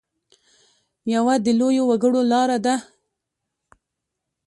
یوه د لویو وګړو لاره ده.